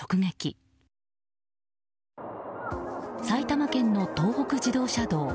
埼玉県の東北自動車道。